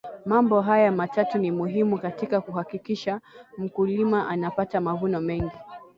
mambo haya matatu ni muhimu katika kuhakikisha mmkulima anapata mavuno mengi